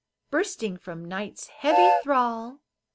Bursting from night's heavy thrall.